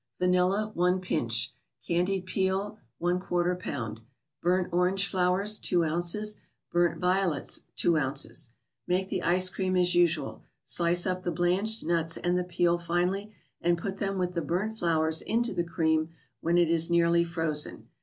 Vanilla, 1 pinch; Candied peel, % lb.; " Burnt " Orange flowers, 2 oz.; " Burnt " Violets, 2 oz. Make the Ice Cream as usual. Slice up the blanched nuts and the peel finely, and put them with the burnt flowers into the cream, when it is nearly frozen.